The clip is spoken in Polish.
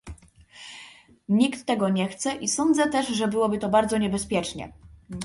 Nikt tego nie chce i sądzę też, że byłoby to bardzo niebezpiecznie